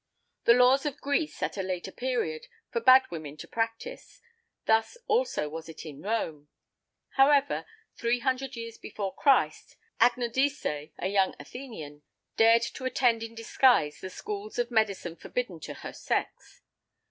The laws of Greece, at a later period, forbad women to practise; thus, also, was it in Rome. However, 300 years before Christ, Agnodice—a young Athenian—dared to attend in disguise the schools of medicine forbidden to her sex.